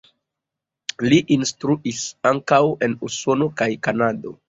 Li instruis ankaŭ en Usono kaj Kanado.